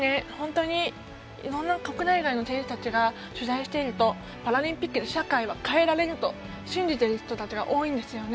いろんな国内外の選手たちが取材しているとパラリンピックで社会は変えられると信じている人たちが多いんですよね。